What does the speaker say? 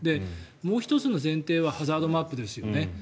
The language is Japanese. もう１つの前提はハザードマップですよね。